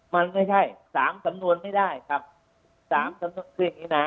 มันไม่ใช่สามสำนวนไม่ได้ครับสามสำนวนคืออย่างงี้นะ